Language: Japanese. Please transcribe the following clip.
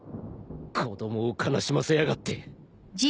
子供を悲しませやがって。